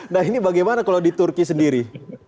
nah ini bagaimana kalau di turki sendiri